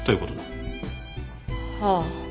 はあ。